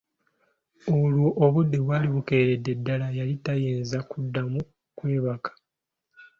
Olwo obudde bwali bukeeredde ddala, yali tayinza kuddamu kwebaka.